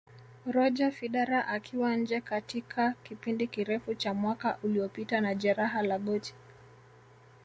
Roger Federer akiwa nje katika kipindi kirefu cha mwaka uliopita na Jeraha la goti